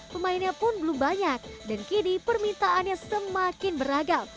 pemainnya pun belum banyak dan kini permintaannya semakin beragam